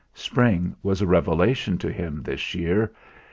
Spring was a revelation to him this year.